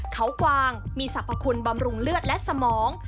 เขากวางมีสรรพคุณบำรุงเลือดและสมอง